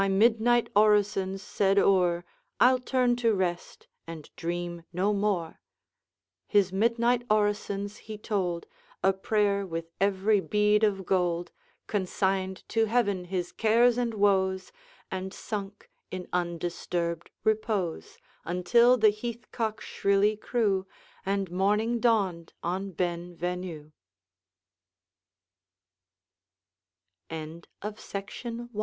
My midnight orisons said o'er, I'll turn to rest, and dream no more.' His midnight orisons he told, A prayer with every bead of gold, Consigned to heaven his cares and woes, And sunk in undisturbed repose, Until the heath cock shrilly crew, And morning dawned on Benvenue. CANTO SECOND. The Island. I.